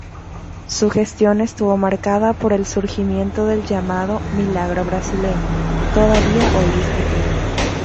Su gestión estuvo marcada por el surgimiento del llamado "milagro brasileño", todavía hoy discutido.